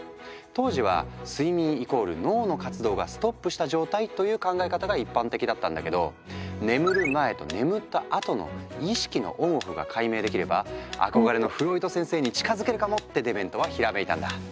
当時は睡眠＝脳の活動がストップした状態という考え方が一般的だったんだけど「眠る前と眠ったあとの意識のＯＮＯＦＦが解明できれば憧れのフロイト先生に近づけるかも！」ってデメントはひらめいたんだ。